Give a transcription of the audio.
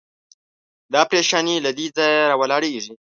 دا پرېشاني له دې ځایه راولاړېږي.